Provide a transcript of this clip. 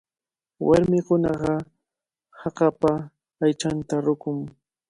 Warmikuna hakapa aychanta ruqun.